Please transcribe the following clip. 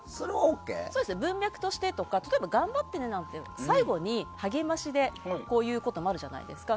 文脈としてとか頑張ってねとかは最後に励ましでこう言うこともあるじゃないですか。